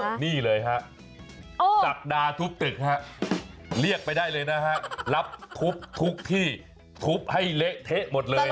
นี่เลยฮะศักดาทุบตึกฮะเรียกไปได้เลยนะฮะรับทุบทุกที่ทุบให้เละเทะหมดเลย